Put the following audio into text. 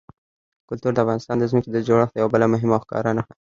کلتور د افغانستان د ځمکې د جوړښت یوه بله مهمه او ښکاره نښه ده.